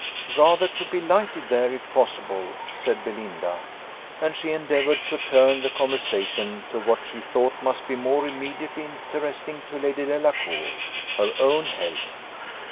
"Rather to be lighted there, if possible," said Belinda; and she endeavoured to turn the conversation to what she thought must be more immediately interesting to Lady Delacour her own health.